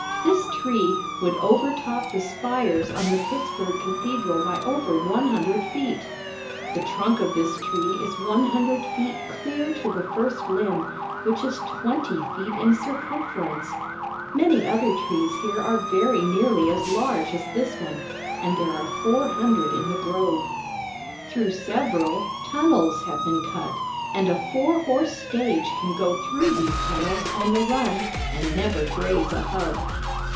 This tree would overtop the spires on the Pittsburg cathedral by over 100 feet. The trunk of this tree is 100 feet clear to the first limb, which is twenty feet in circumference. Many other trees here are very nearly as large as this one, and there are 400 in the grove. Through several tunnels have been cut and a four horse stage can go through these tunnels on the run and never graze a hub.